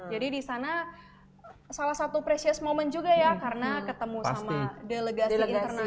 jadi di sana salah satu precious moment juga ya karena ketemu sama delegasi internasional